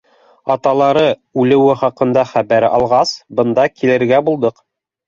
— Аталары үлеүе хаҡында хәбәр алғас, бында килергә булдыҡ.